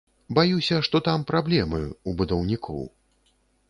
Баюся, што там праблемы, у будаўнікоў.